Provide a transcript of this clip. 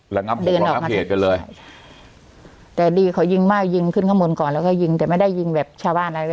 ระงับเหตุกันเลยแต่ดีเขายิงมากยิงขึ้นข้างบนก่อนแล้วก็ยิงแต่ไม่ได้ยิงแบบชาวบ้านอะไรเลย